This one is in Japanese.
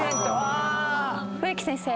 植木先生。